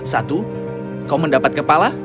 satu kau mendapat kepala